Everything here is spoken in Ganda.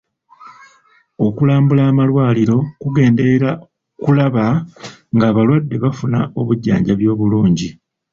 Okulambula amalwaliro kugenderera kulaba ng'abalwadde bafuna obujjanjabi obulungi.